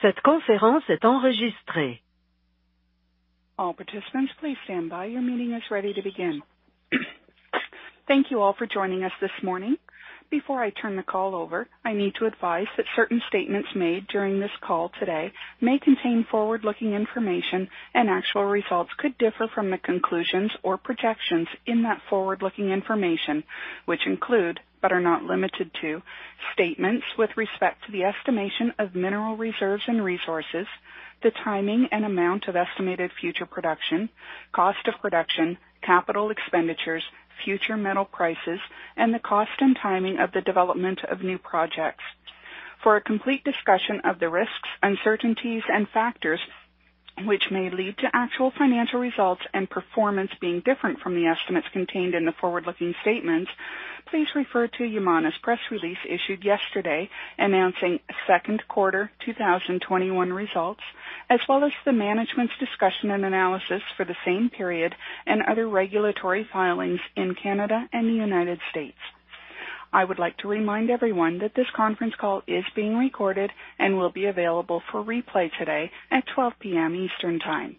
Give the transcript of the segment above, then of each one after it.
Thank you all for joining us this morning. Before I turn the call over, I need to advise that certain statements made during this call today may contain forward-looking information. Actual results could differ from the conclusions or projections in that forward-looking information, which include, but are not limited to, statements with respect to the estimation of mineral reserves and resources, the timing and amount of estimated future production, cost of production, capital expenditures, future metal prices, and the cost and timing of the development of new projects. For a complete discussion of the risks, uncertainties, and factors which may lead to actual financial results and performance being different from the estimates contained in the forward-looking statements, please refer to Yamana's press release issued yesterday announcing second quarter 2021 results, as well as the management's discussion and analysis for the same period and other regulatory filings in Canada and the United States. I would like to remind everyone that this conference call is being recorded and will be available for replay today at 12:00 P.M. Eastern Time.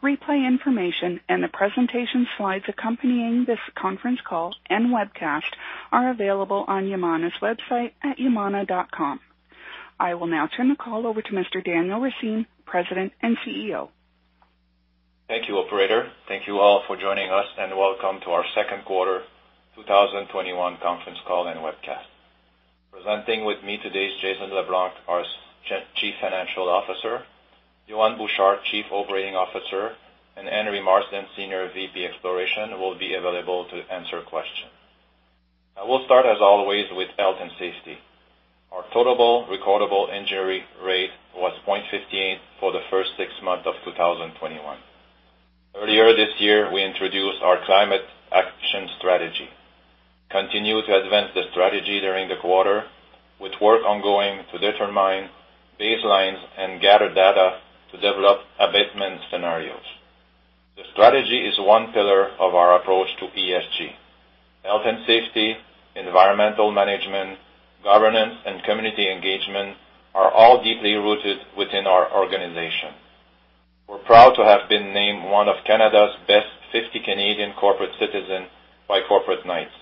Replay information and the presentation slides accompanying this conference call and webcast are available on Yamana's website at yamana.com. I will now turn the call over to Mr. Daniel Racine, President and CEO. Thank you, operator. Thank you all for joining us, and welcome to our second quarter 2021 conference call and webcast. Presenting with me today is Jason LeBlanc, our Chief Financial Officer, Yohann Bouchard, Chief Operating Officer, and Henry Marsden, Senior Vice President, Exploration, will be available to answer questions. I will start, as always, with health and safety. Our total recordable injury rate was 0.58 for the first six months of 2021. Earlier this year, we introduced our Climate Action Strategy. We continued to advance the strategy during the quarter with work ongoing to determine baselines and gather data to develop abatement scenarios. The strategy is one pillar of our approach to ESG. Health and safety, environmental management, governance, and community engagement are all deeply rooted within our organization. We are proud to have been named one of Canada's Best 50 Canadian Corporate Citizens by Corporate Knights.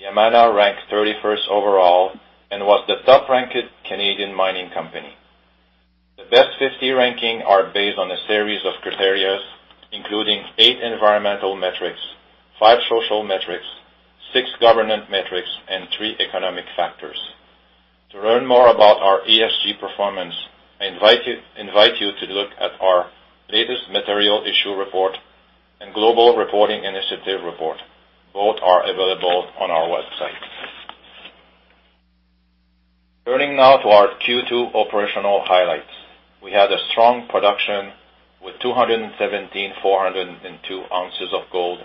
Yamana ranked 31st overall and was the top-ranked Canadian mining company. The best 50 ranking are based on a series of criteria, including eight environmental metrics, five social metrics, six governance metrics, and three economic factors. To learn more about our ESG performance, I invite you to look at our latest material issue report and Global Reporting Initiative report. Both are available on our website. Turning now to our Q2 operational highlights. We had a strong production with 217,402 oz of gold,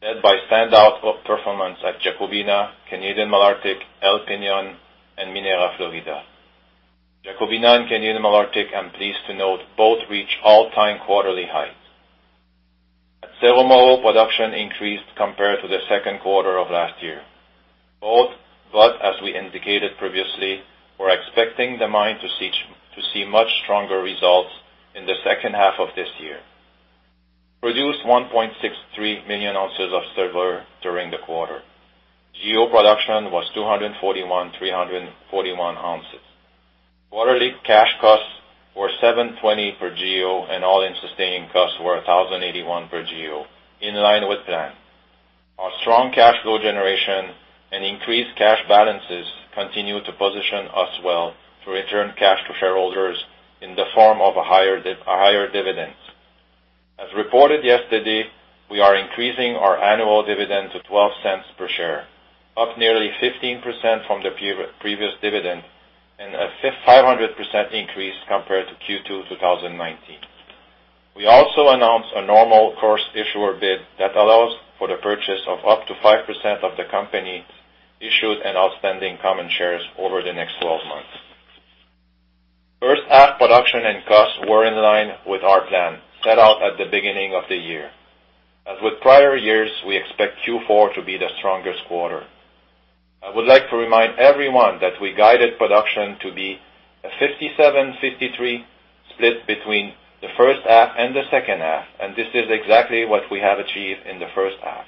led by standout performance at Jacobina, Canadian Malartic, El Peñón, and Minera Florida. Jacobina and Canadian Malartic, I'm pleased to note, both reached all-time quarterly highs. At Cerro Moro, production increased compared to the second quarter of last year. But as we indicated previously, we're expecting the mine to see much stronger results in the second half of this year. Produced 1.63 million ounces of silver during the quarter. GEO production was 241,341 oz. Quarterly cash costs were $7.20 per GEO, and all-in sustaining costs were $1,081 per GEO, in line with plan. Our strong cash flow generation and increased cash balances continue to position us well to return cash to shareholders in the form of higher dividends. As reported yesterday, we are increasing our annual dividend to $0.12 per share, up nearly 15% from the previous dividend and a 500% increase compared to Q2 2019. We also announced a normal course issuer bid that allows for the purchase of up to 5% of the company issued and outstanding common shares over the next 12 months. First half production and costs were in line with our plan set out at the beginning of the year. As with prior years, we expect Q4 to be the strongest quarter. I would like to remind everyone that we guided production to be a 57/53 split between the first half and the second half, and this is exactly what we have achieved in the first half.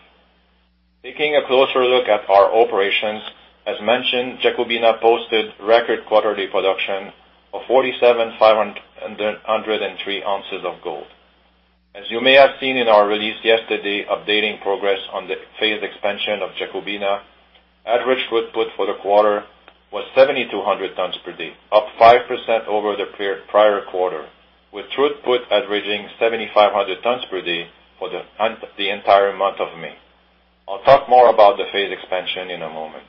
Taking a closer look at our operations, as mentioned, Jacobina posted record quarterly production of 47,503 oz of gold. As you may have seen in our release yesterday, updating progress on the phase expansion of Jacobina, average throughput for the quarter was 7,200 tons per day, up 5% over the prior quarter, with throughput averaging 7,500 tons per day for the entire month of May. I'll talk more about the phase expansion in a moment.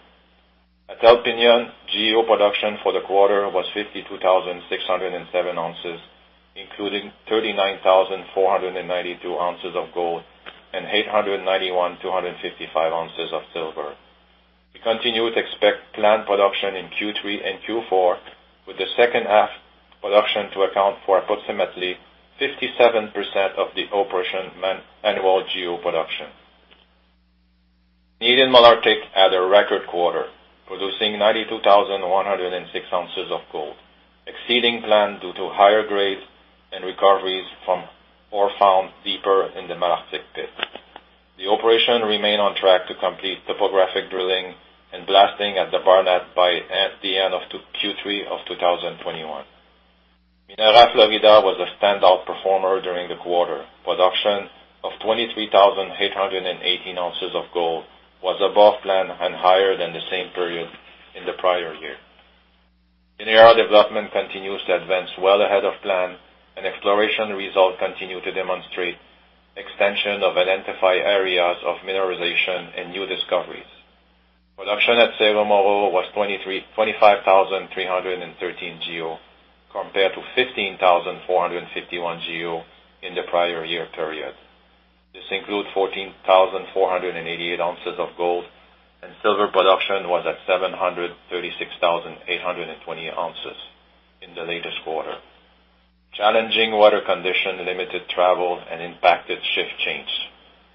At El Peñon, GEO production for the quarter was 52,607 oz, including 39,492 oz of gold and 891,255 oz of silver. We continue to expect planned production in Q3 and Q4, with the second half production to account for approximately 57% of the operation annual GEO production. Canadian Malartic had a record quarter, producing 92,106 oz of gold, exceeding plan due to higher grades and recoveries from ore found deeper in the Malartic pit. The operation remained on track to complete topographic drilling and blasting at the Barnat by the end of Q3 of 2021. Minera Florida was a standout performer during the quarter. Production of 23,818 oz of gold was above plan and higher than the same period in the prior year. Minera development continues to advance well ahead of plan. Exploration results continue to demonstrate extension of identified areas of mineralization and new discoveries. Production at Cerro Moro was 25,313 GEO, compared to 15,451 GEO in the prior year period. This includes 14,488 oz of gold, and silver production was at 736,820 oz in the latest quarter. Challenging weather condition limited travel and impacted shift change.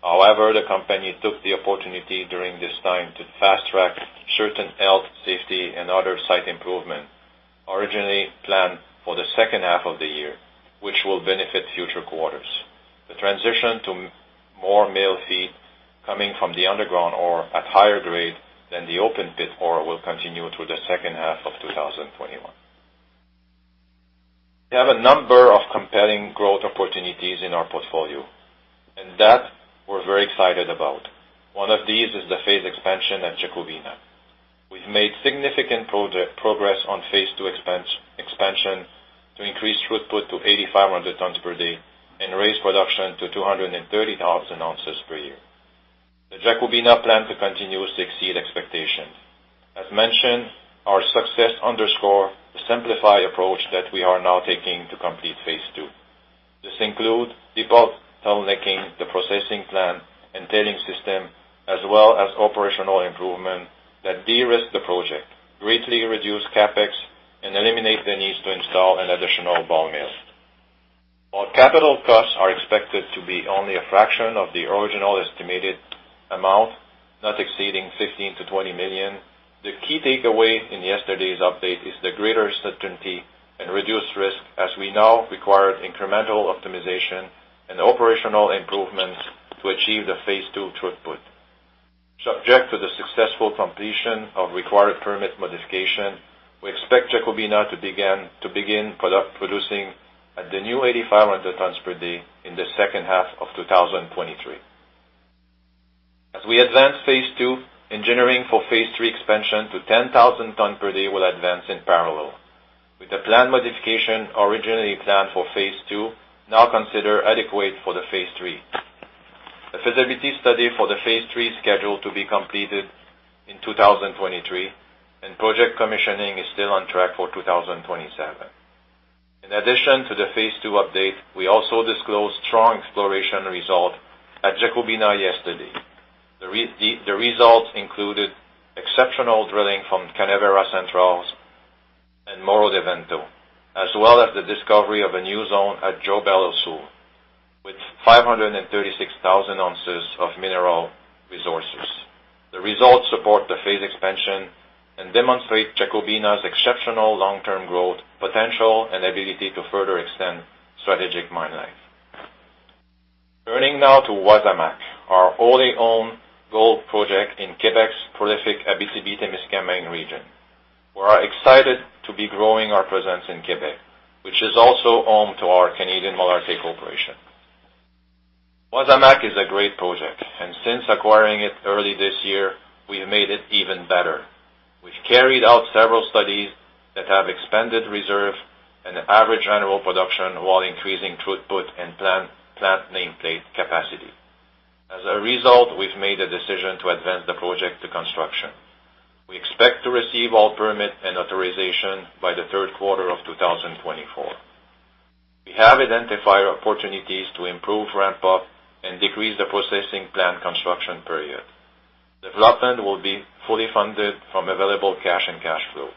However, the company took the opportunity during this time to fast-track certain health, safety, and other site improvement originally planned for the second half of the year, which will benefit future quarters. The transition to more mill feed coming from the underground ore at higher grade than the open pit ore will continue through the second half of 2021. We have a number of compelling growth opportunities in our portfolio, and that we're very excited about. One of these is the phase expansion at Jacobina. We've made significant progress on Phase 2 expansion to increase throughput to 8,500 tons per day and raise production to 230,000 oz per year. The Jacobina plant to continue to exceed expectations. As mentioned, our success underscores the simplified approach that we are now taking to complete Phase 2. This includes debottlenecking the processing plant and tailings system as well as operational improvement that derisk the project, greatly reduce CapEx, and eliminate the need to install an additional ball mill. While capital costs are expected to be only a fraction of the original estimated amount, not exceeding $15 million-$20 million, the key takeaway in yesterday's update is the greater certainty and reduced risk as we now require incremental optimization and operational improvements to achieve the Phase 2 throughput. Subject to the successful completion of required permit modification, we expect Jacobina to begin producing at the new 8,500 tons per day in the second half of 2023. As we advance Phase 2, engineering for Phase 2I expansion to 10,000 tons per day will advance in parallel. With the plant modification originally planned for Phase 2, now consider adequate for the Phase 3. The feasibility study for the Phase 3 is scheduled to be completed in 2023, and project commissioning is still on track for 2027. In addition to the Phase 2 update, we also disclosed strong exploration result at Jacobina yesterday. The results included exceptional drilling from Canavieiras Centrais and Morro do Vento, as well as the discovery of a new zone at Joao Belo Sul with 536,000 oz of mineral resources. The results support the phase expansion and demonstrate Jacobina's exceptional long-term growth potential and ability to further extend strategic mine life. Turning now to Wasamac, our wholly owned gold project in Quebec's prolific Abitibi-Témiscamingue region. We are excited to be growing our presence in Quebec, which is also home to our Canadian Malartic operation. Wasamac is a great project. Since acquiring it early this year, we've made it even better. We've carried out several studies that have expanded reserve and average annual production while increasing throughput and plant nameplate capacity. As a result, we've made a decision to advance the project to construction. We expect to receive all permit and authorization by the third quarter of 2024. We have identified opportunities to improve ramp-up and decrease the processing plant construction period. Development will be fully funded from available cash and cash flow.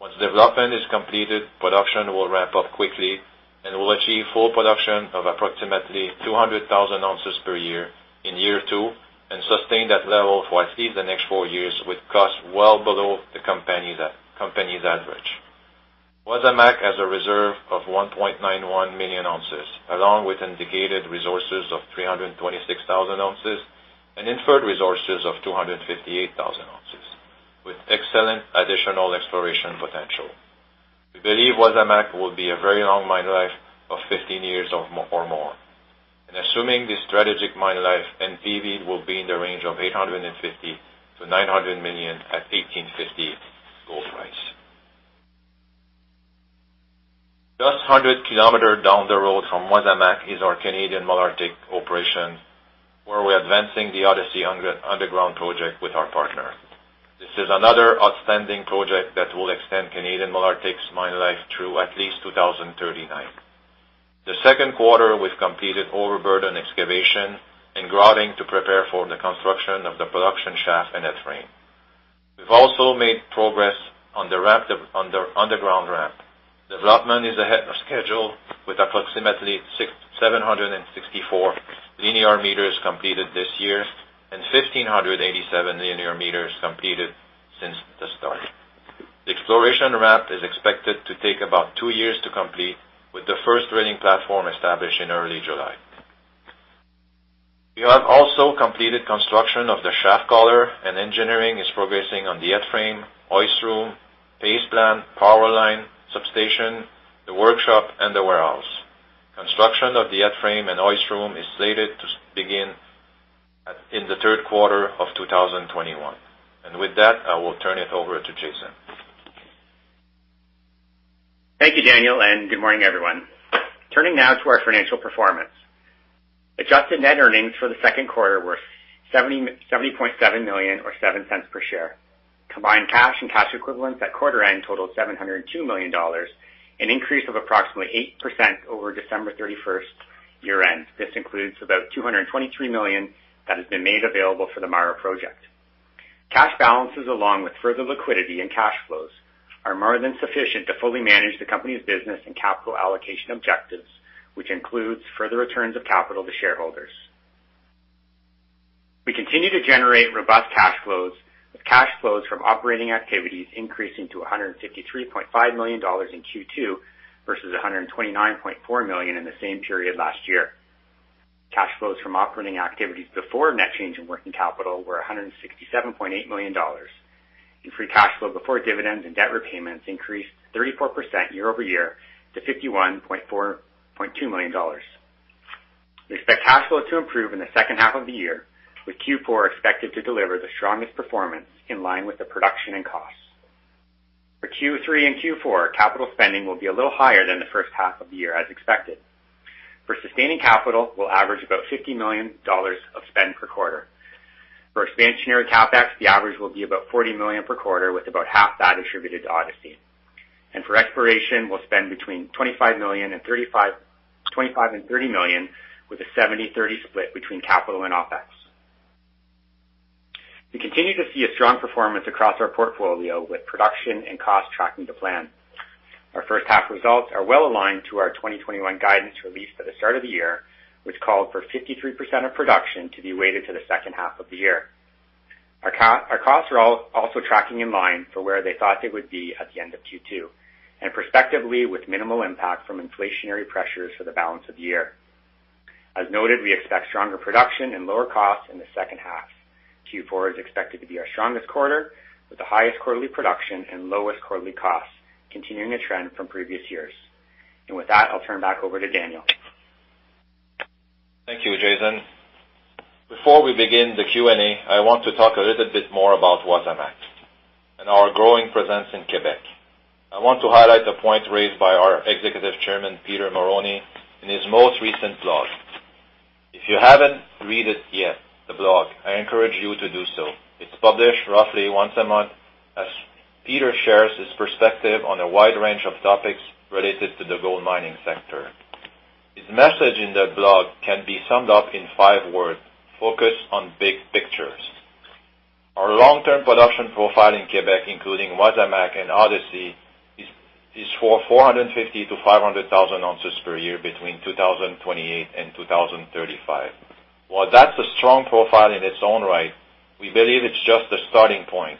Once development is completed, production will ramp up quickly and will achieve full production of approximately 200,000 oz per year in year two and sustain that level for at least the next four years with cost well below the company's average. Wasamac has a reserve of 1.91 million ounces, along with indicated resources of 326,000 oz and inferred resources of 258,000 oz with excellent additional exploration potential. We believe Wasamac will be a very long mine life of 15 years or more. Assuming the strategic mine life NPV will be in the range of $850 million-$900 million at $1,850 gold price. Just 100 km down the road from Wasamac is our Canadian Malartic operation, where we're advancing the Odyssey Underground project with our partner. This is another outstanding project that will extend Canadian Malartic's mine life through at least 2039. The second quarter, we've completed overburden excavation and grouting to prepare for the construction of the production shaft and headframe. We've also made progress on the underground ramp. Development is ahead of schedule with approximately 764 linear meters completed this year and 1,587 linear meters completed since the start. The exploration ramp is expected to take about two years to complete, with the first drilling platform established in early July. We have also completed construction of the shaft collar, and engineering is progressing on the headframe, hoistroom, paste plant, power line, substation, the workshop, and the warehouse. Construction of the headframe and hoistroom is slated to begin in the third quarter of 2021. With that, I will turn it over to Jason. Thank you, Daniel, and good morning, everyone. Turning now to our financial performance. Adjusted net earnings for the second quarter were $70.7 million or $0.07 per share. Combined cash and cash equivalents at quarter end totaled $702 million, an increase of approximately 8% over December 31st year-end. This includes about $223 million that has been made available for the Mara project. Cash balances, along with further liquidity and cash flows, are more than sufficient to fully manage the company's business and capital allocation objectives, which includes further returns of capital to shareholders. We continue to generate robust cash flows, with cash flows from operating activities increasing to $153.5 million in Q2 versus $129.4 million in the same period last year. Cash flows from operating activities before net change in working capital were $167.8 million, and free cash flow before dividends and debt repayments increased 34% year-over-year to $51.2 million. We expect cash flow to improve in the second half of the year, with Q4 expected to deliver the strongest performance in line with the production and costs. For Q3 and Q4, capital spending will be a little higher than the first half of the year as expected. For sustaining capital, we'll average about $50 million of spend per quarter. For expansionary CapEx, the average will be about $40 million per quarter, with about half that attributed to Odyssey. For exploration, we'll spend between $25 million and $30 million with a 70/30 split between capital and OpEx. We continue to see a strong performance across our portfolio, with production and cost tracking to plan. Our first half results are well-aligned to our 2021 guidance released at the start of the year, which called for 53% of production to be weighted to the second half of the year. Our costs are also tracking in line for where they thought they would be at the end of Q2, prospectively with minimal impact from inflationary pressures for the balance of the year. As noted, we expect stronger production and lower costs in the second half. Q4 is expected to be our strongest quarter with the highest quarterly production and lowest quarterly costs, continuing a trend from previous years. With that, I'll turn back over to Daniel. Thank you, Jason. Before we begin the Q&A, I want to talk a little bit more about Wasamac and our growing presence in Quebec. I want to highlight a point raised by our Executive Chairman, Peter Marrone, in his most recent blog. If you haven't read it yet, the blog, I encourage you to do so. It's published roughly once a month as Peter shares his perspective on a wide range of topics related to the gold mining sector. His message in that blog can be summed up in 5 words, focus on big pictures. Our long-term production profile in Quebec, including Wasamac and Odyssey, is for 450,000 oz-500,000 oz per year between 2028 and 2035. While that's a strong profile in its own right, we believe it's just the starting point,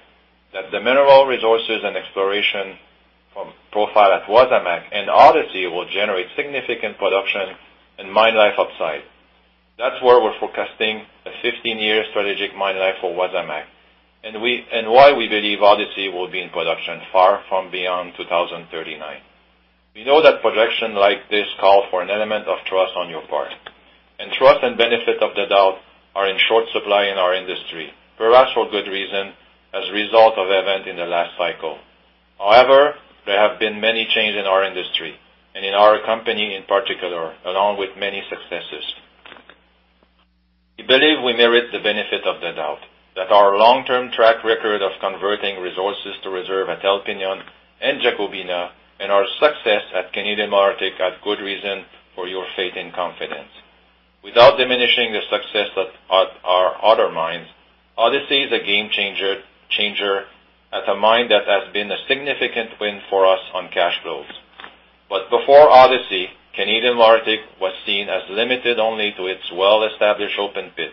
that the mineral resources and exploration profile at Wasamac and Odyssey will generate significant production and mine life upside. That's why we're forecasting a 15-year strategic mine life for Wasamac and why we believe Odyssey will be in production far from beyond 2039. We know that projections like this call for an element of trust on your part, and trust and benefit of the doubt are in short supply in our industry, perhaps for good reason as a result of events in the last cycle. However, there have been many changes in our industry and in our company in particular, along with many successes. We believe we merit the benefit of the doubt that our long-term track record of converting resources to reserve at El Penon and Jacobina and our success at Canadian Malartic are good reason for your faith and confidence. Without diminishing the success of our other mines, Odyssey is a game changer at a mine that has been a significant win for us on cash flows. Before Odyssey, Canadian Malartic was seen as limited only to its well-established open pit.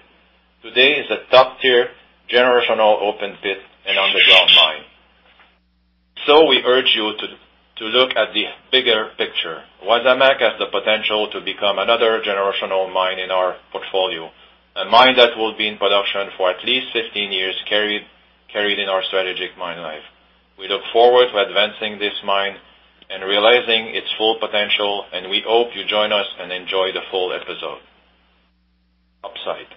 Today, it's a top tier generational open pit and underground mine. We urge you to look at the bigger picture. Wasamac has the potential to become another generational mine in our portfolio, a mine that will be in production for at least 15 years, carried in our strategic mine life. We look forward to advancing this mine and realizing its full potential. We hope you join us and enjoy the full episode. Upside.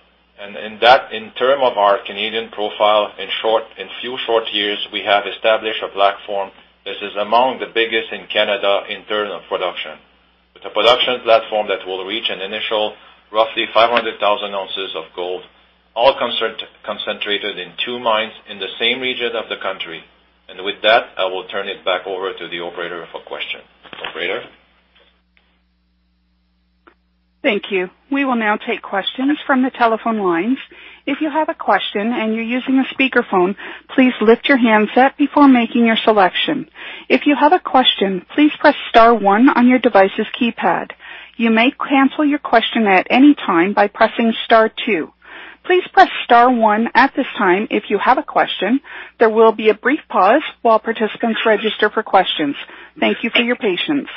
In terms of our Canadian profile, in few short years, we have established a platform that is among the biggest in Canada in terms of production. With a production platform that will reach an initial roughly 500,000 oz of gold, all concentrated in two mines in the same region of the country. With that, I will turn it back over to the operator for questions. Operator? Thank you. We will now take questions from the telephone line. If you have a question, and your using your speaker phone, please lift your handset before making your selection. If you have a question, please press star one on your device's keypad. You may cancel your question at any time by pressing star two. Please press star one at this time if you have a question. There will be a brief pause while participants register for questions. Thank you for your patience.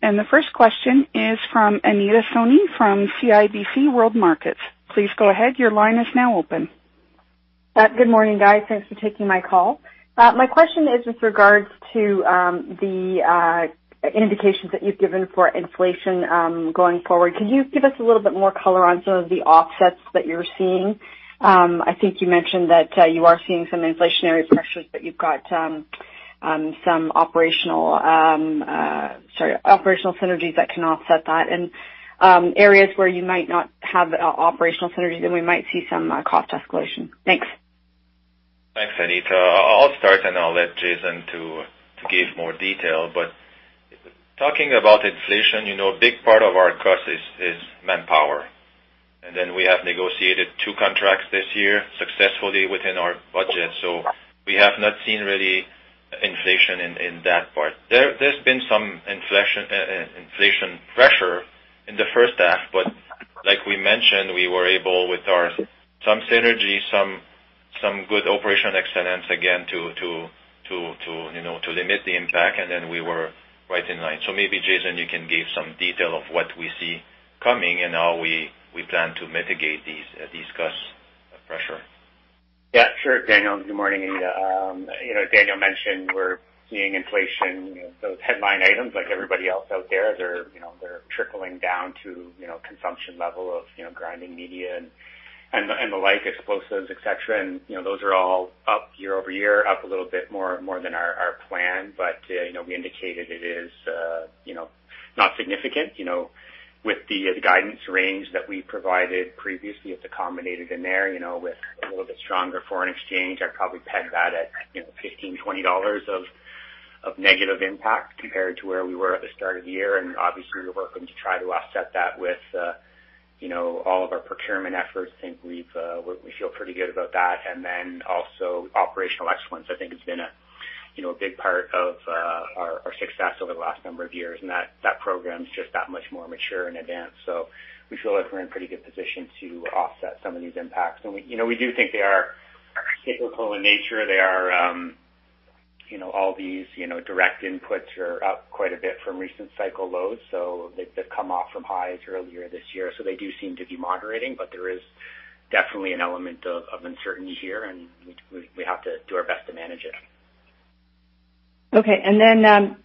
The first question is from Anita Soni from CIBC World Markets. Please go ahead, your line is now open. Good morning, guys. Thanks for taking my call. My question is with regards to the indications that you've given for inflation, going forward. Could you give us a little bit more color on some of the offsets that you're seeing? I think you mentioned that you are seeing some inflationary pressures, but you've got some operational synergies that can offset that. Areas where you might not have operational synergies and we might see some cost escalation. Thanks. Thanks, Anita. I'll start, and I'll let Jason give more detail. Talking about inflation, a big part of our cost is manpower. Then we have negotiated two contracts this year successfully within our budget. We have not seen really inflation in that part. There's been some inflation pressure in the first half, but like we mentioned, we were able with some synergy, some good operational excellence, again, to limit the impact, and then we were right in line. Maybe, Jason, you can give some detail of what we see coming and how we plan to mitigate these cost pressure. Yeah, sure, Daniel. Good morning, Anita. As Daniel mentioned, we're seeing inflation, those headline items like everybody else out there, they're trickling down to consumption level of grinding media and the like, explosives, et cetera. Those are all up year-over-year, up a little bit more than our plan. We indicated it is not significant. With the guidance range that we provided previously, it's accommodated in there, with a little bit stronger foreign exchange. I'd probably peg that at $15, $20 of negative impact compared to where we were at the start of the year. Obviously, we're working to try to offset that with all of our procurement efforts. I think we feel pretty good about that. Then also operational excellence, I think has been a big part of our success over the last number of years, and that program is just that much more mature and advanced. We feel like we're in pretty good position to offset some of these impacts. We do think they are cyclical in nature. All these direct inputs are up quite a bit from recent cycle lows. They've come off from highs earlier this year. They do seem to be moderating, but there is definitely an element of uncertainty here, and we have to do our best to manage it. Okay. Then,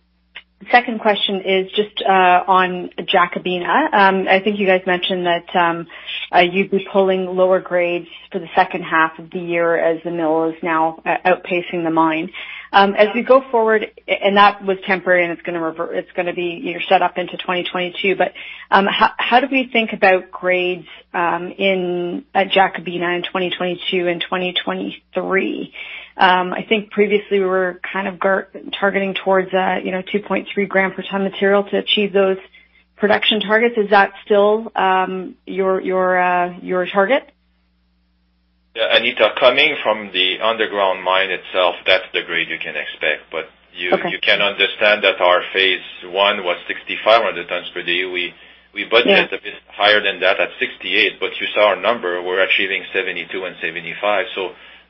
second question is just on Jacobina. I think you guys mentioned that you'd be pulling lower grades for the second half of the year as the mill is now outpacing the mine. As we go forward, and that was temporary, and it's going to be set up into 2022. How do we think about grades at Jacobina in 2022 and 2023? I think previously we were kind of targeting towards 2.3 g per ton material to achieve those production targets. Is that still your target? Yeah, Anita, coming from the underground mine itself, that's the grade you can expect. Okay. You can understand that our Phase 1 was 6,500 tons per day. We budgeted a bit higher than that at 68. You saw our number, we're achieving 72 and 75.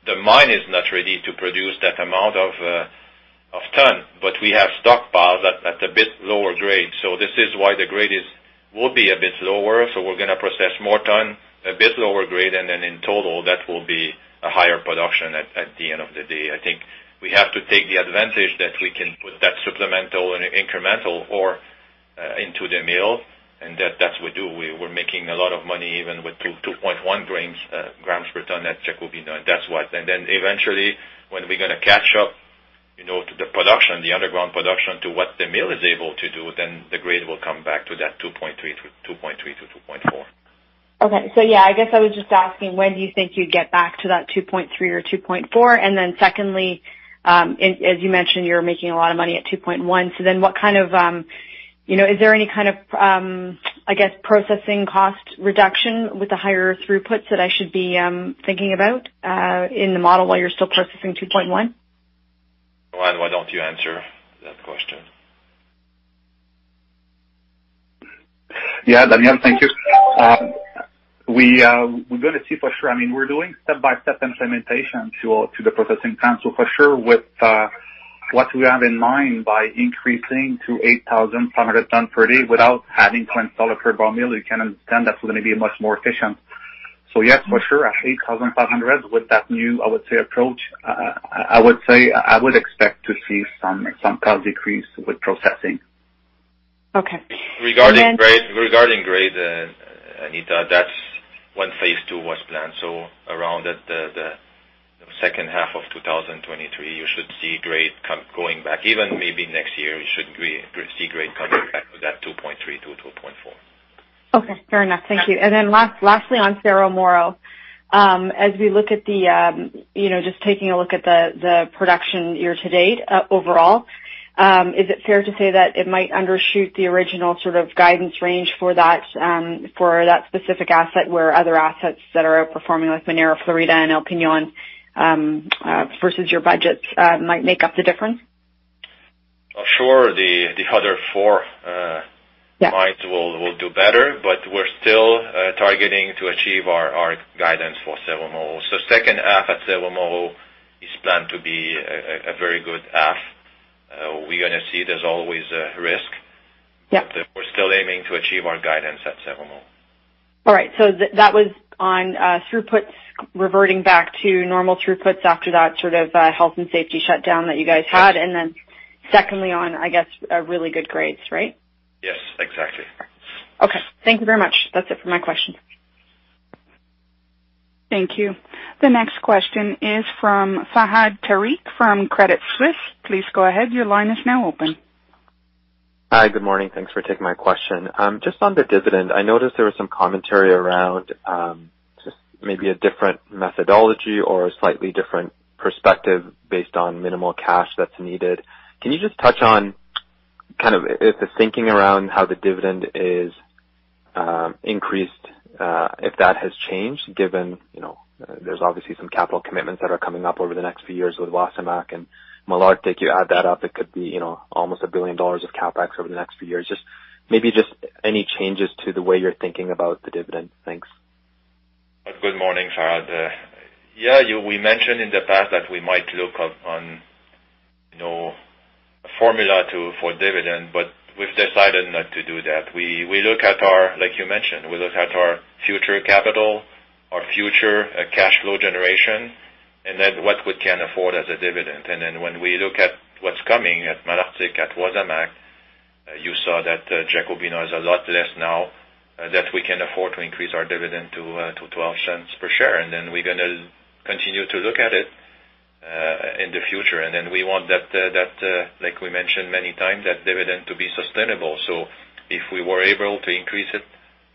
The mine is not ready to produce that amount of ton. We have stockpiles at a bit lower grade, so this is why the grade will be a bit lower. We're going to process more ton, a bit lower grade, and then in total, that will be a higher production at the end of the day. I think we have to take the advantage that we can put that supplemental and incremental ore into the mill, and that we do. We're making a lot of money even with 2.1 g per ton at Jacobina, and that's why. Eventually, when we're going to catch up to the production, the underground production, to what the mill is able to do, then the grade will come back to that 2.3 to 2.4. Okay. Yeah, I guess I was just asking when do you think you'd get back to that 2.3 or 2.4? Secondly, as you mentioned, you're making a lot of money at 2.1. Is there any kind of, I guess, processing cost reduction with the higher throughputs that I should be thinking about in the model while you're still processing 2.1? Yohann, why don't you answer that question? Yeah, Daniel, thank you. We're going to see for sure. We're doing step-by-step implementation to the processing plant. For sure with what we have in mind by increasing to 8,500 ton per day without having to install a third ball mill, you can understand that's going to be much more efficient. Yes, for sure, at 8,500 with that new, I would say, approach, I would expect to see some cost decrease with processing. Okay. Regarding grade, Anita, that is when Phase 2 was planned. Around the second half of 2023, you should see grade going back. Even maybe next year, we should see grade coming back to that 2.3-2.4. Okay, fair enough. Thank you. Lastly, on Cerro Moro, just taking a look at the production year to date overall, is it fair to say that it might undershoot the original sort of guidance range for that specific asset, where other assets that are outperforming like Minera Florida and El Peñon versus your budgets might make up the difference? Sure. The other four mines will do better. We're still targeting to achieve our guidance for Cerro Moro. Second half at Cerro Moro is planned to be a very good half. We're going to see there's always a risk. Yep. We're still aiming to achieve our guidance at Cerro Moro. All right. That was on throughputs reverting back to normal throughputs after that sort of, health and safety shutdown that you guys had. Secondly, on, I guess, really good grades, right? Yes, exactly. Okay. Thank you very much. That's it for my question. Thank you. The next question is from Fahad Tariq from Credit Suisse. Please go ahead. Hi. Good morning. Thanks for taking my question. On the dividend, I noticed there was some commentary around maybe a different methodology or a slightly different perspective based on minimal cash that's needed. Can you touch on kind of the thinking around how the dividend is increased, if that has changed, given there's obviously some capital commitments that are coming up over the next few years with Wasamac and Malartic. You add that up, it could be almost $1 billion of CapEx over the next few years. Maybe any changes to the way you're thinking about the dividend. Thanks. Good morning, Fahad. Yeah, we mentioned in the past that we might look at a formula for dividend, but we've decided not to do that. Like you mentioned, we look at our future capital, our future cash flow generation, and then what we can afford as a dividend. When we look at what's coming at Malartic, at Wasamac, you saw that Jacobina is a lot less now that we can afford to increase our dividend to $0.12 per share. We're going to continue to look at it in the future. We want that, like we mentioned many times, that dividend to be sustainable. If we were able to increase it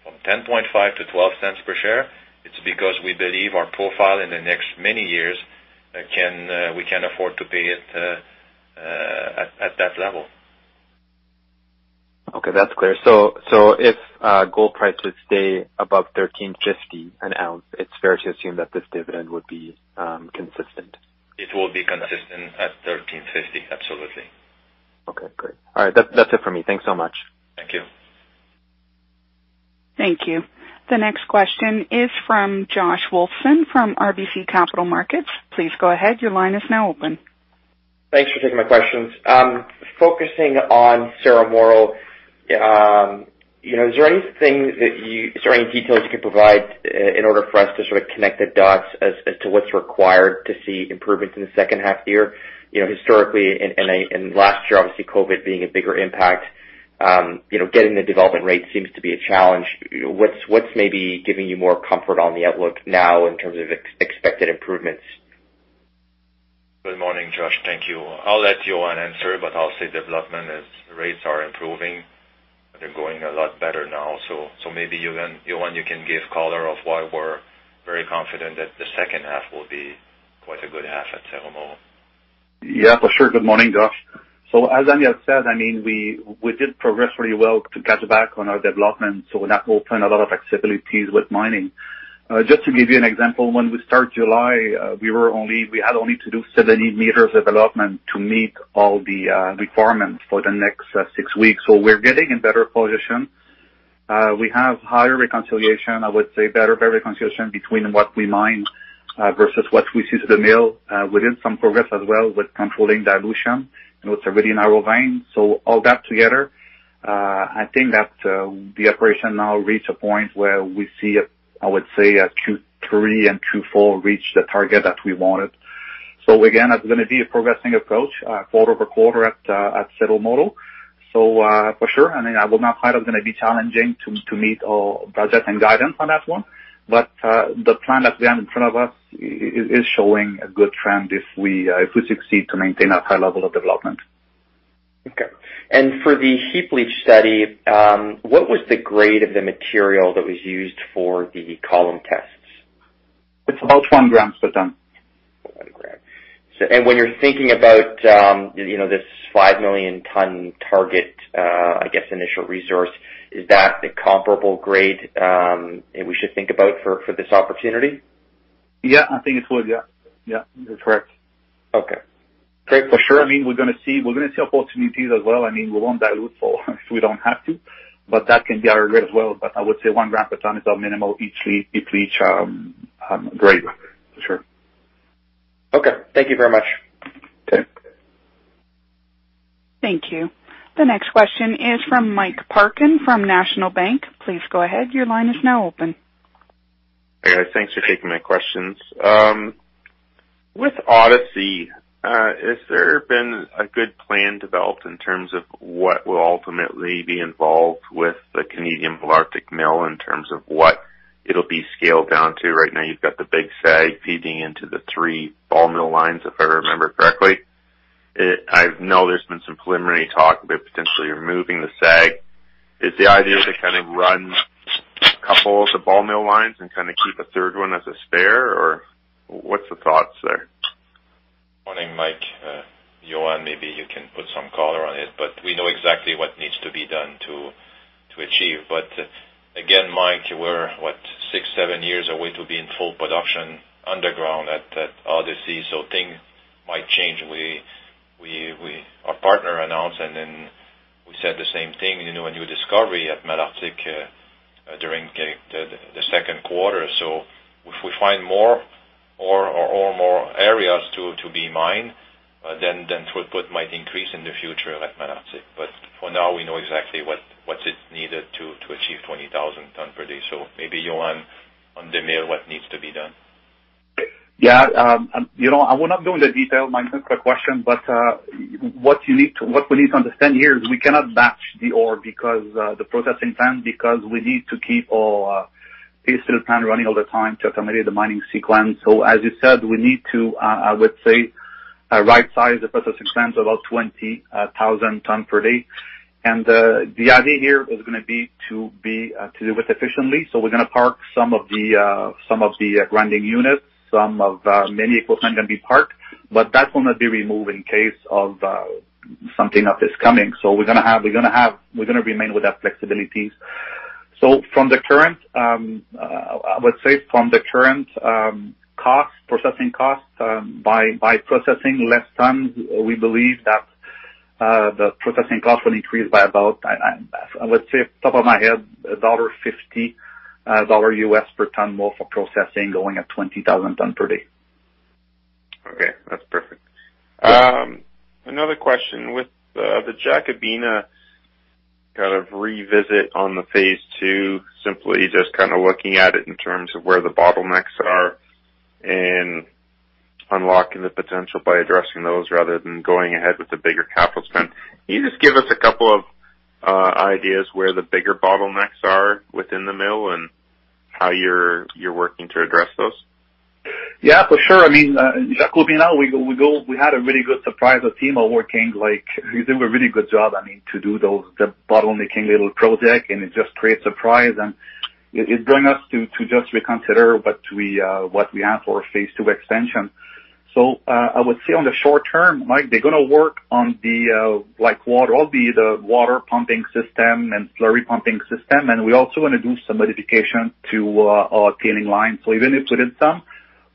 from $0.105 to $0.12 per share, it's because we believe our profile in the next many years, we can afford to pay it at that level. Okay. That's clear. If gold prices stay above $1,350 an ounce, it's fair to assume that this dividend would be consistent. It will be consistent at $1,350. Absolutely. Okay, great. All right. That's it for me. Thanks so much. Thank you. Thank you. The next question is from Josh Wolfson from RBC Capital Markets. Please go ahead. Your line is now open. Thanks for taking my questions. Focusing on Cerro Moro, is there any details you can provide in order for us to sort of connect the dots as to what's required to see improvements in the second half year? Historically, and last year, obviously, COVID being a bigger impact, getting the development rate seems to be a challenge. What's maybe giving you more comfort on the outlook now in terms of expected improvements? Good morning, Josh. Thank you. I'll let Yohann answer, but I'll say development rates are improving. They're going a lot better now. Maybe, Yohann, you can give color of why we're very confident that the second half will be quite a good half at Cerro Moro. Yeah, for sure. Good morning, Josh. As Daniel Racine said, we did progress very well to catch back on our development, that will open a lot of activities with mining. Just to give you an example, when we start July, we had only to do 70 m development to meet all the requirements for the next six weeks. We're getting in better position. We have higher reconciliation, I would say better reconciliation between what we mine versus what we see to the mill. We did some progress as well with controlling dilution, and it's a really narrow vein. All that together, I think that the operation now reach a point where we see, I would say, Q3 and Q4 reach the target that we wanted. Again, it's going to be a progressing approach quarter-over-quarter at Cerro Moro. For sure, I will not hide it's going to be challenging to meet our budget and guidance on that one. The plan that we have in front of us is showing a good trend if we succeed to maintain a high level of development. Okay. For the heap leach study, what was the grade of the material that was used for the column tests? It's about 1 g per ton. 1 g. When you're thinking about this 5 million ton target, I guess initial resource, is that the comparable grade, and we should think about for this opportunity? Yeah, I think it would. Yeah. That's correct. Okay. For sure, we're going to see opportunities as well. We won't dilute if we don't have to, that can be our grade as well. I would say 1 g per ton is our minimal heap leach grade. For sure. Okay. Thank you very much. Okay. Thank you. The next question is from Mike Parkin from National Bank. Please go ahead. Hey, guys, thanks for taking my questions. With Odyssey, has there been a good plan developed in terms of what will ultimately be involved with the Canadian Malartic mill in terms of what it'll be scaled down to? Right now, you've got the big SAG feeding into the three ball mill lines, if I remember correctly. I know there's been some preliminary talk about potentially removing the SAG. Is the idea to run a couple of the ball mill lines and keep a third one as a spare, or what's the thoughts there? Morning, Mike. Yohann, maybe you can put some color on it, we know exactly what needs to be done to achieve. Again, Mike, we're what, six, seven years away to be in full production underground at Odyssey, things might change. Our partner announced, we said the same thing, a new discovery at Malartic during the second quarter. If we find more ore or more areas to be mined, throughput might increase in the future at Malartic. For now, we know exactly what's needed to achieve 20,000 tonnes per day. Maybe, Yohann, on the mill, what needs to be done? Yeah. I will not go into detail, Mike, on the question, but what we need to understand here is we cannot batch the ore because the processing plant, because we need to keep our paste filter plant running all the time to accommodate the mining sequence. As you said, we need to, I would say, right size the processing plant to about 20,000 tons per day. The idea here is going to be to do it efficiently. We're going to park some of the grinding units. Many equipment can be parked. That will not be removed in case of something up is coming. We're going to remain with that flexibility. I would say from the current processing costs, by processing less tonnes, we believe that the processing cost will increase by about, I would say, top of my head, $1.50 per tonne more for processing going at 20,000 tonnes per day. Okay. That's perfect. Another question. With the Jacobina kind of revisit on the Phase 2, simply just kind of looking at it in terms of where the bottlenecks are and unlocking the potential by addressing those rather than going ahead with the bigger capital spend. Can you just give us a couple of ideas where the bigger bottlenecks are within the mill and how you're working to address those? Yeah, for sure. Jacobina, we had a really good surprise with team working. It just creates surprise. It bring us to just reconsider what we have for Phase 2 extension. I would say on the short-term, Mike, they're going to work on the water pumping system and slurry pumping system. We also want to do some modification to our cleaning line. Even if we did some,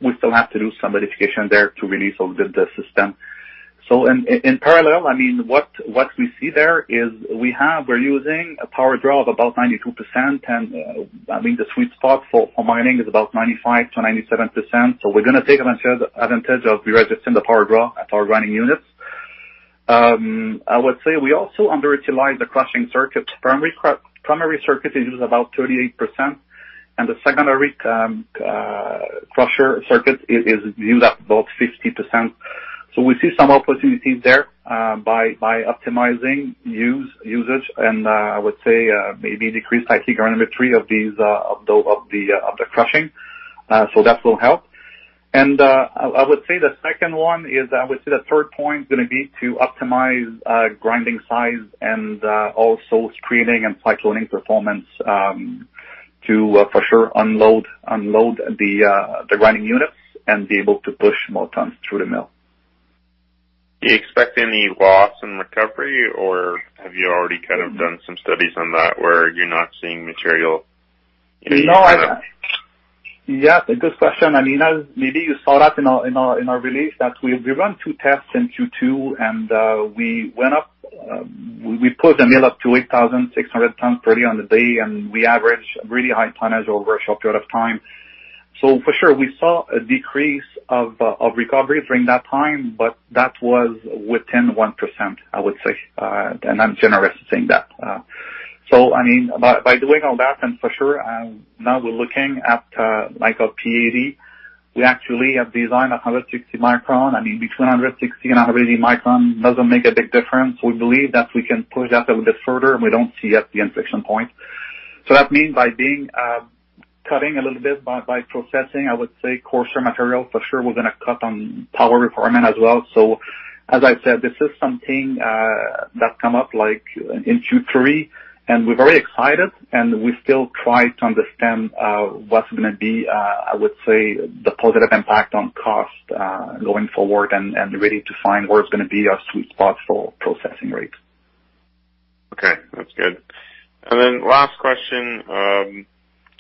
we still have to do some modification there to release all the system. In parallel, what we see there is we're using a power draw of about 92%, and the sweet spot for mining is about 95%-97%. I would say we also underutilize the crushing circuits. Primary circuit is used about 38%, and the secondary crusher circuit is used at about 50%. We see some opportunities there by optimizing usage and, I would say, maybe decrease cycle geometry of the crushing. That will help. I would say the third point is going to be to optimize grinding size and also screening and cycloning performance to, for sure, unload the grinding units and be able to push more tons through the mill. Do you expect any loss in recovery, or have you already kind of done some studies on that where you're not seeing material? Yes, a good question. Maybe you saw that in our release that we run two tests in Q2, and we put the mill up to 8,600 tonnes per day, and we average really high tonnage over a short period of time. For sure, we saw a decrease of recovery during that time, but that was within 1%, I would say. I'm generous saying that. By doing all that, and for sure, now we're looking at like a P80. We actually have designed 160 micron. Between 160 and 180 micron doesn't make a big difference. We believe that we can push that a bit further, and we don't see yet the inflection point. That means by cutting a little bit, by processing, I would say, coarser material, for sure, we're going to cut on power requirement as well. As I said, this is something that come up in Q3, and we're very excited, and we still try to understand what's going to be, I would say, the positive impact on cost going forward and ready to find where it's going to be our sweet spot for processing rates. Okay, that's good. Last question.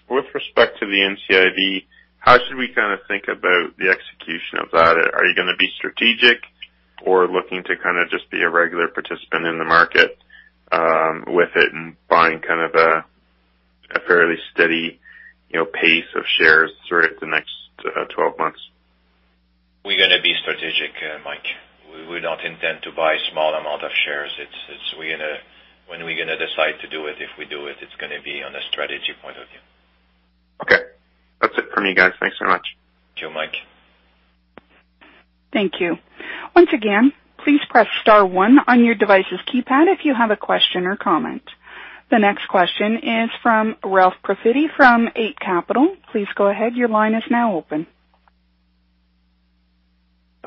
With respect to the NCIB, how should we kind of think about the execution of that? Are you going to be strategic or looking to kind of just be a regular participant in the market with it and buying kind of a fairly steady pace of shares throughout the next 12 months? We're going to be strategic, Mike. We would not intend to buy small amount of shares. When we're going to decide to do it, if we do it's going to be on a strategy point of view. Okay. That's it from me, guys. Thanks so much. Thank you, Mike. Thank you. Once again, please press star one on your device's keypad if you have a question or comment. The next question is from Ralph Profiti from Eight Capital. Please go ahead, your line is now open.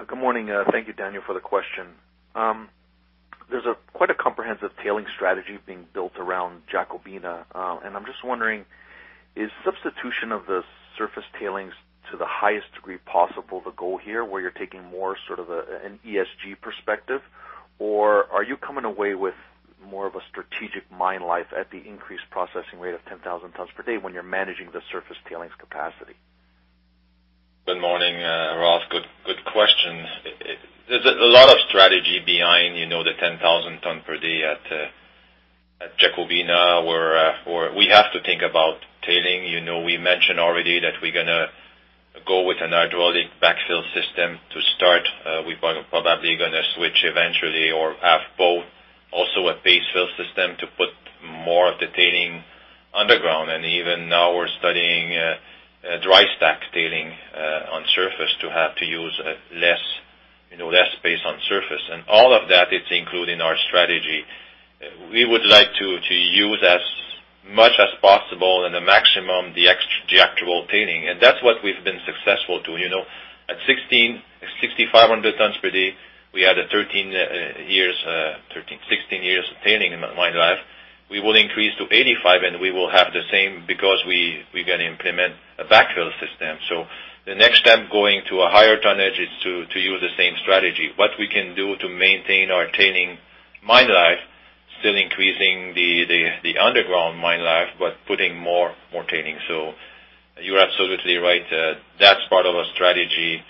Good morning. Thank you, Daniel, for the question. There's quite a comprehensive tailing strategy being built around Jacobina. I'm just wondering, is substitution of the surface tailings to the highest degree possible the goal here, where you're taking more sort of an ESG perspective? Or are you coming away with more of a strategic mine life at the increased processing rate of 10,000 tons per day when you're managing the surface tailings capacity? Good morning, Ralph. Good question. There's a lot of strategy behind the 10,000 tons per day at Jacobina, where we have to think about tailings. We mentioned already that we're going to go with a hydraulic backfill system to start. We probably going to switch eventually or have both also a paste fill system to put more of the tailings underground. Even now we're studying dry stack tailings on surface to have to use less space on surface. All of that is included in our strategy. We would like to use as much as possible and the maximum, the actual tailings. That's what we've been successful doing. At 6,500 tons per day, we had a 16 years of tailings mine life. We will increase to 85, and we will have the same because we're going to implement a backfill system. The next step going to a higher tonnage is to use the same strategy. What we can do to maintain our tailings mine life, still increasing the underground mine life, but putting more tailings. You're absolutely right. That's part of a strategy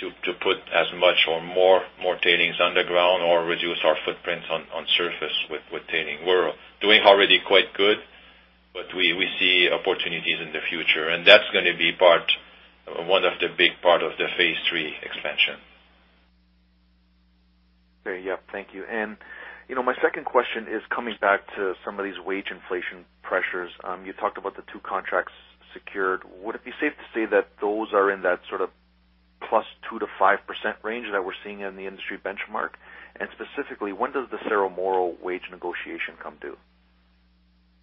to put as much or more tailings underground or reduce our footprint on surface with tailings. We're doing already quite good, but we see opportunities in the future, and that's going to be one of the big part of the Phase 3 expansion. Okay. Yeah, thank you. My second question is coming back to some of these wage inflation pressures. You talked about the two contracts secured. Would it be safe to say that those are in that sort of +2%-5% range that we're seeing in the industry benchmark? Specifically, when does the Cerro Moro wage negotiation come due?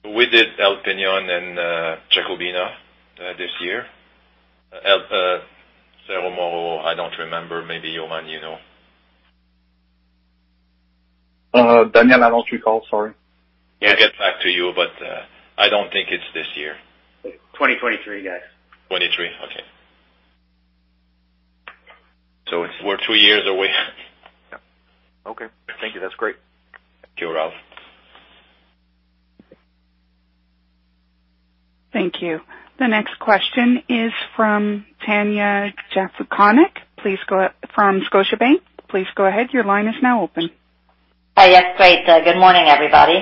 We did El Peñon and Jacobina this year. Cerro Moro, I don't remember. Maybe Yohann you know. Daniel, I don't recall. Sorry. We'll get back to you, but I don't think it's this year. 2023, guys. 2023. Okay. So it's- We're two years away. Okay. Thank you. That's great. Thank you, Ralph. Thank you. The next question is from Tanya Jakusconek from Scotiabank. Please go ahead. Your line is now open. Yes, great. Good morning, everybody.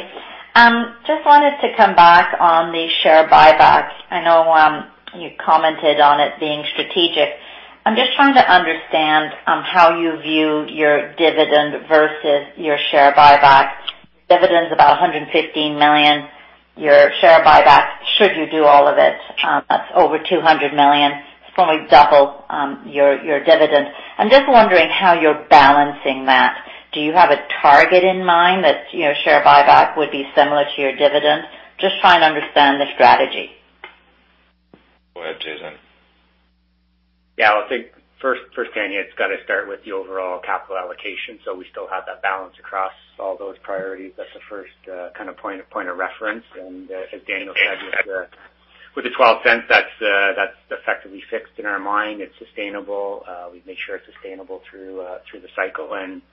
Just wanted to come back on the share buyback. I know you commented on it being strategic. I'm just trying to understand how you view your dividend versus your share buyback. Dividend's about $115 million. Your share buyback, should you do all of it, that's over $200 million. It's going to double your dividend. I'm just wondering how you're balancing that. Do you have a target in mind that your share buyback would be similar to your dividend? Just trying to understand the strategy. Go ahead, Jason. Yeah, I think first, Tanya, it's got to start with the overall capital allocation. We still have that balance across all those priorities. That's the first kind of point of reference. As Daniel said, with the $0.12, that's effectively fixed in our mind. It's sustainable. We've made sure it's sustainable through the cycle, and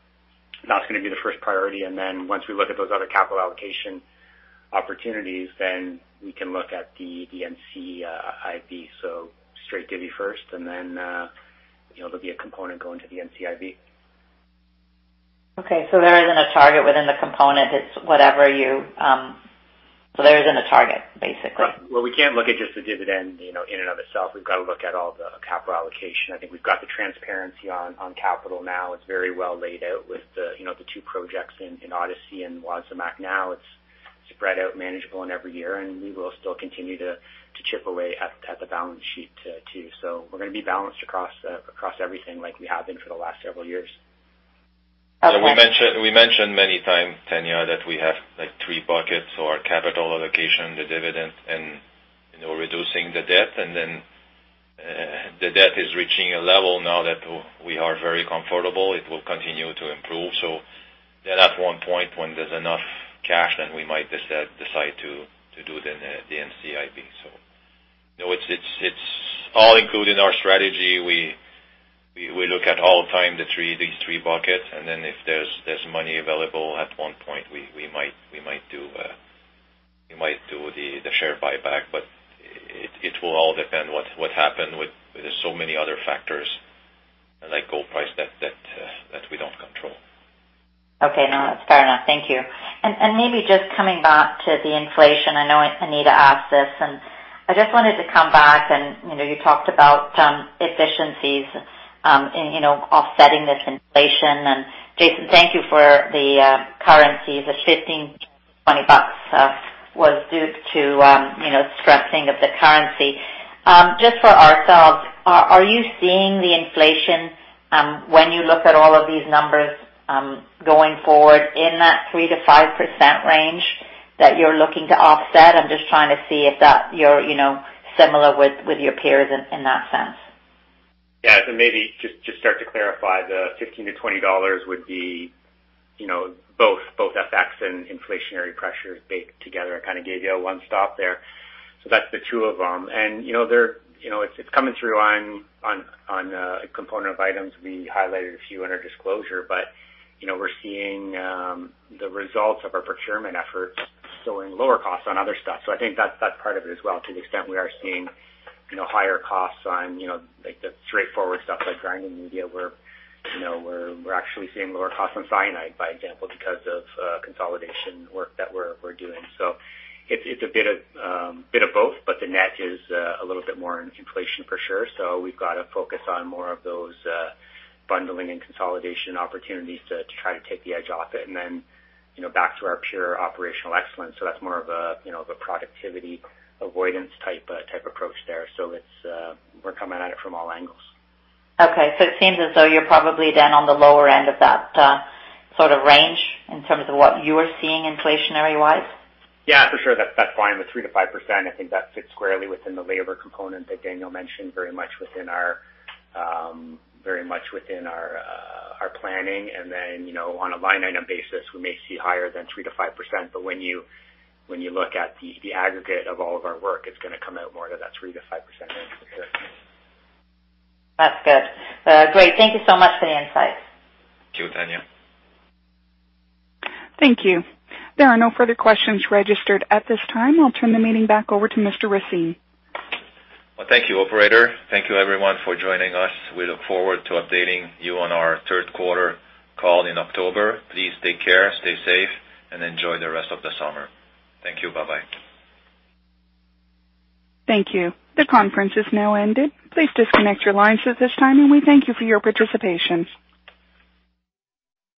that's going to be the first priority. Once we look at those other capital allocation opportunities, then we can look at the NCIB. Straight divvy first, and then there'll be a component going to the NCIB. Okay, there isn't a target within the component. There isn't a target, basically. Well, we can't look at just the dividend, in and of itself. We've got to look at all the capital allocation. I think we've got the transparency on capital now. It's very well laid out with the two projects in Odyssey and Wasamac. Now it's spread out manageable in every year, and we will still continue to chip away at the balance sheet, too. So we're going to be balanced across everything like we have been for the last several years. Okay. We mentioned many times, Tanya, that we have three buckets. Our capital allocation, the dividend, and reducing the debt, and then the debt is reaching a level now that we are very comfortable it will continue to improve. At one point when there's enough cash, then we might decide to do the NCIB. It's all included in our strategy. We look at all time these three buckets, and then if there's money available, at one point, we might do the share buyback, but it will all depend what happen with so many other factors like gold price that we don't control. Okay. No, that's fair enough. Thank you. Maybe just coming back to the inflation. I know Anita asked this, and I just wanted to come back and, you talked about efficiencies offsetting this inflation. Jason, thank you for the currencies. The $15-$20 was due to strengthening of the currency. Just for ourselves, are you seeing the inflation when you look at all of these numbers going forward in that 3%-5% range that you're looking to offset? I'm just trying to see if that you're similar with your peers in that sense. Yeah. Maybe just start to clarify, the $15-$20 would be both FX and inflationary pressures baked together, kind of gave you a one-stop there. That's the two of them. It's coming through on a component of items. We highlighted a few in our disclosure, we're seeing the results of our procurement efforts showing lower costs on other stuff. I think that's part of it as well, to the extent we are seeing higher costs on the straightforward stuff like grinding media, where we're actually seeing lower cost on cyanide, by example, because of consolidation work that we're doing. It's a bit of both, the net is a little bit more on inflation for sure. We've got to focus on more of those bundling and consolidation opportunities to try to take the edge off it and then back to our pure operational excellence. That's more of a productivity avoidance type approach there. We're coming at it from all angles. Okay, it seems as though you're probably then on the lower end of that sort of range in terms of what you are seeing inflationary-wise. Yeah, for sure. That's fine with 3%-5%. I think that fits squarely within the labor component that Daniel mentioned, very much within our planning. On a line item basis, we may see higher than 3%-5%, but when you look at the aggregate of all of our work, it's going to come out more to that 3%-5% range for sure. That's good. Great. Thank you so much for the insight. Thank you, Tanya. Thank you. There are no further questions registered at this time. I will turn the meeting back over to Mr. Racine. Well, thank you, operator. Thank you everyone for joining us. We look forward to updating you on our third quarter call in October. Please take care, stay safe, and enjoy the rest of the summer. Thank you. Bye-bye. Thank you. The conference has now ended. Please disconnect your lines at this time, and we thank you for your participation.